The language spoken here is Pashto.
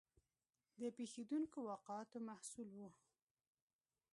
د پېښېدونکو واقعاتو محصول و.